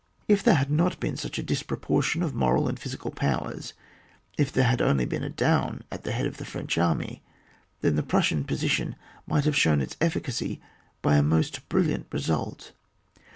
If there had not been here such a dis proportion of moral and physical powers, if there had only been a Daun at the head of the French army, then the Prus sian position might have shown its efficacy by a most brilliant result.